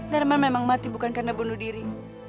thermal memang mati bukan karena bunuh diri